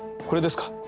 これですか？